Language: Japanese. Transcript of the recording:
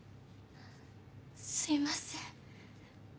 すいません。